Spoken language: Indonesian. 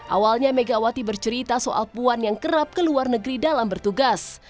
awalnya megawati bercerita soal puan yang kerap ke luar negeri dalam bertugas